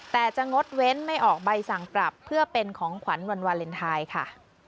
แต่จะงดเว้นไม่ออกใบสั่งปรับเพื่อเป็นของขวัญวันวาเลนไทยค่ะ